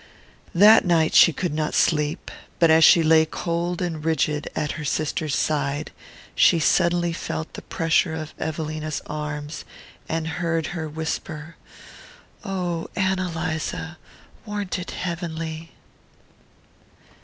That night she could not sleep; but as she lay cold and rigid at her sister's side, she suddenly felt the pressure of Evelina's arms, and heard her whisper: "Oh, Ann Eliza, warn't it heavenly?"